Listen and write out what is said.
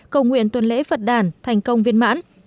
cầu nguyện tuần lễ phật đàn thành công viên mãn